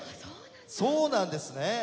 そうなんですね。